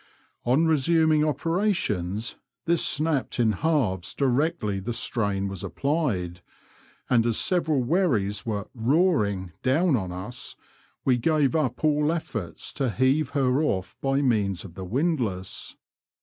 On resuming operations, this snapped in halves directly the strain was applied, and as several wherries were roaring " down on us, we gave up all efforts to heave her off by means of the windlass.